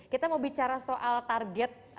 kita mau bicara soal target